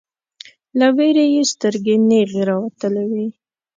له ویرې یې سترګې نیغې راوتلې وې